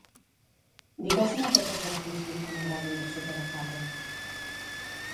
Digues-me totes les cançons que m'agraden de Sopa de Cabra.